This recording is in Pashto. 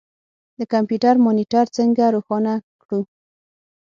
د کمپیوټر مانیټر څنګه روښانه کړو.